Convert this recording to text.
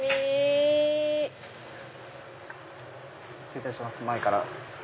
失礼いたします前から。